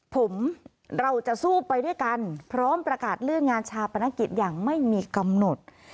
ผมเราจะสู้ไปด้วยกันพร้อมประกาศเลื่อนงานชาปนกิจอย่างไม่มีกำหนด